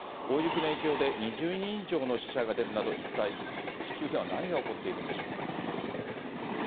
大雪の影響で２０人以上の死者が出るなど、一体、地球では何が起こっているんでしょうか。